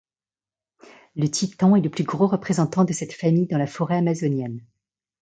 Le titan est le plus gros représentant de cette famille dans la forêt amazonienne.